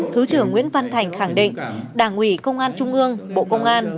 thứ trưởng nguyễn văn thành khẳng định đảng ủy công an trung ương bộ công an